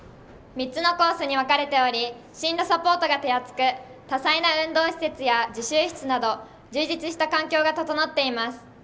３つのコースに分かれており進路サポートが手厚く多彩な運動施設や自習室など充実した環境が整っています。